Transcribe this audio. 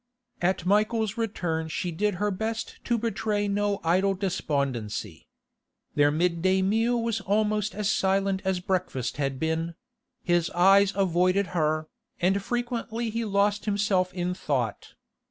At Michael's return she did her best to betray no idle despondency. Their midday meal was almost as silent as breakfast had been; his eyes avoided her, and frequently he lost himself in thought.